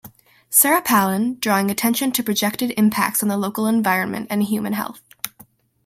Sarah Palin, drawing attention to projected impacts on the local environment and human health.